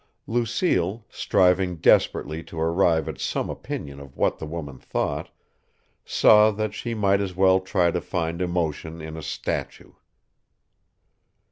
Lucille, striving desperately to arrive at some opinion of what the woman thought, saw that she might as well try to find emotion in a statue.